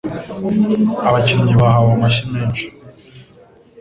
Abakinnyi bahawe amashyi menshi.